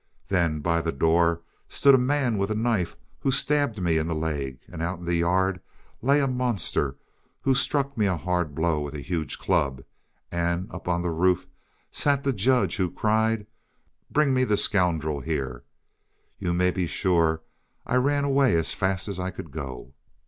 Then by the door stood a man with a knife, who stabbed me in the leg, and out in the yard lay a monster who struck me a hard blow with a huge club; and up on the roof sat the judge, who cried, 'Bring me the scoundrel here.' You may be sure I ran away as fast as I could go."